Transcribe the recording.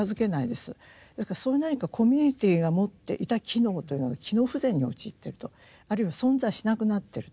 ですからそういう何かコミュニティーが持っていた機能というのが機能不全に陥ってるとあるいは存在しなくなってると。